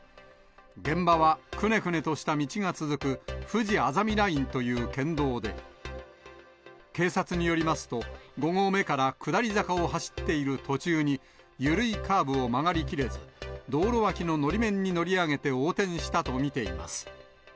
現場はくねくねとした道が続く、ふじあざみラインという県道で、警察によりますと、５合目から下り坂を走っている途中に、緩いカーブを曲がりきれず、道路脇ののり面に乗り上げて横転したと見ています。